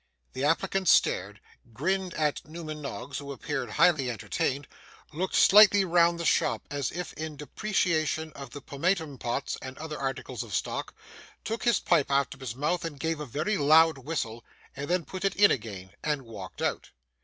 The applicant stared; grinned at Newman Noggs, who appeared highly entertained; looked slightly round the shop, as if in depreciation of the pomatum pots and other articles of stock; took his pipe out of his mouth and gave a very loud whistle; and then put it in again, and walked out.